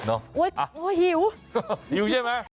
โอ้โหหิวหิวใช่ไหม